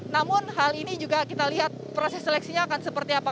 namun hal ini juga kita lihat proses seleksinya akan seperti apa